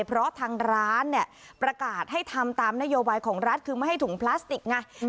เพราะทางร้านเนี่ยประกาศให้ทำตามนโยบายของรัฐคือไม่ให้ถุงพลาสติกไง